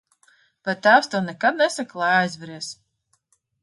Vai tēvs tev nekad nesaka, lai aizveries?